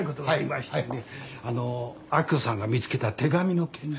明子さんが見つけた手紙の件で。